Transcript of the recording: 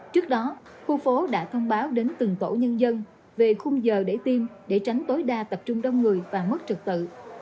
trước đó khu phố đã thông báo đến từng tổ nhân dân về khung giờ để tiêm để tránh tối đa tập trung đông người và mất trực tự